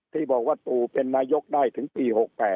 ที่บอกว่าตู่เป็นนายกได้ถึงปี๖๘